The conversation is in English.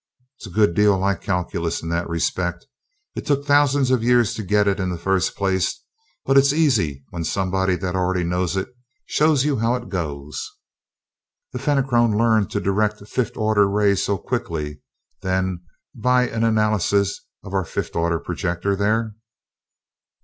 'Sa good deal like calculus in that respect. It took thousands of years to get it in the first place, but it's easy when somebody that already knows it shows you how it goes." "The Fenachrone learned to direct fifth order rays so quickly, then, by an analysis of our fifth order projector there?"